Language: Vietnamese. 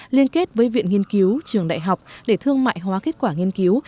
liên kết với viện nghiên cứu trường đại học để thương mại hóa kết quả nghiên cứu